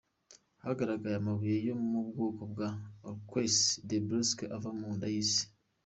Hanagaragaye amabuye yo mu bwoko bwa “Orgues de Basalte” ava munda y’Isi.